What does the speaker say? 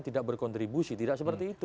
tidak berkontribusi tidak seperti itu